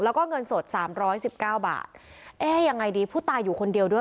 แล้วก็เงินสดสามร้อยสิบเก้าบาทเอ๊ยังไงดีผู้ตายอยู่คนเดียวด้วย